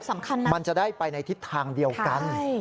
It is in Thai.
มันจะได้ไปในทิศทางเดียวกัน